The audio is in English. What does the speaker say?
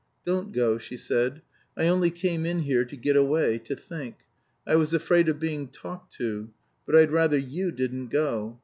"Don't go," she said. "I only came in here to get away to think. I was afraid of being talked to. But I'd rather you didn't go."